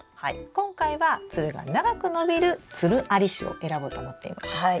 今回はつるが長く伸びるつるあり種を選ぼうと思っています。